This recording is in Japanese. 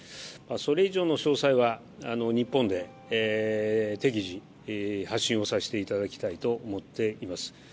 それ以上の詳細は日本で適宜発信をさせていただきたいと思っております。